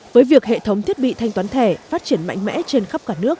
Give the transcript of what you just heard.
với việc hệ thống thiết bị thanh toán thẻ phát triển mạnh mẽ trên khắp cả nước